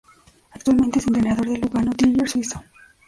Actualmente es entrenador del Lugano Tigers suizo.